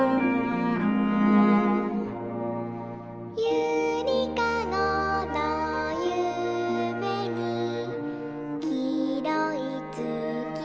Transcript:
「ゆりかごのゆめにきいろいつきがかかるよ」